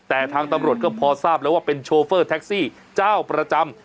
แต่ทางตำรวจก็พอทราบแล้วว่าเป็นโชเฟอร์แท็กซี่เจ้าประจำ